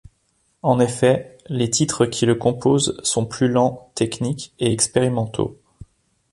En effet, les titres qui le composent sont plus lents, techniques et expérimentaux.